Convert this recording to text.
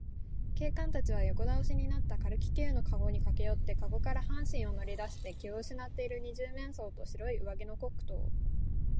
警官たちは横だおしになった軽気球のかごにかけよって、かごから半身を乗りだして気をうしなっている二十面相と、白い上着のコックとを、